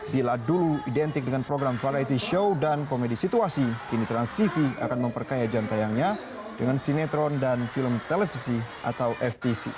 bila dulu identik dengan program varity show dan komedi situasi kini transtv akan memperkaya jan tayangnya dengan sinetron dan film televisi atau ftv